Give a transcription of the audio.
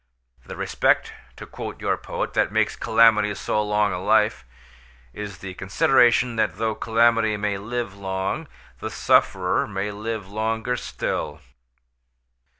'The respect,' to quote your poet, 'that makes calamity of so long a life,' is the consideration that though calamity may live long, the sufferer may live longer still."